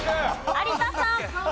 有田さん。